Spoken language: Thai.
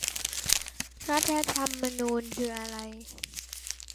รัฐธรรมนูญคืออะไร ?